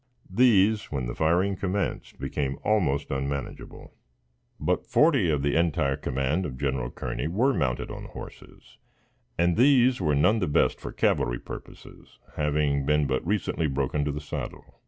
These, when the firing commenced, became almost unmanageable. But forty of the entire command of General Kearney were mounted on horses, and these were none the best for cavalry purposes, having been but recently broken to the saddle.